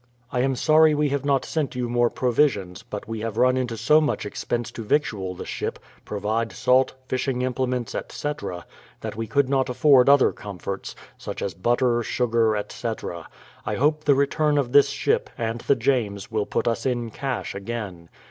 I am sorry we have not sent you more provisions, but we have run into so much expense to victual the ship, provide salt, fishing implements, etc., that we could not afford other comforts, such as butter, sugar, etc. I hope the return of this ship, and the James, will put us in cash again.